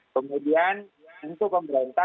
kemudian untuk pemerintah